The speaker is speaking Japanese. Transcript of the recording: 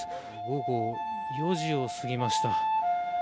午後４時を過ぎました。